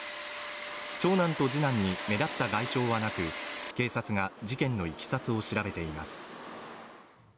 長男と次男に目立った外傷はなく警察が事件のいきさつを調べています